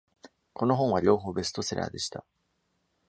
この本は両方ベストセラーでした。